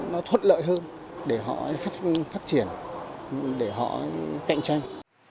nó thuận lợi hơn để họ phát triển để họ cạnh tranh